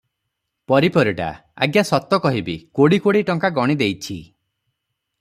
ପରି ପରିଡା- ଆଜ୍ଞା ସତ କହିବି, କୋଡ଼ି କୋଡ଼ି ଟଙ୍କା ଗଣି ଦେଇଛି ।